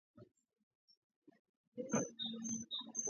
ამის შემდეგში ქსნის საერისთავოს გაუქმება მოჰყვა.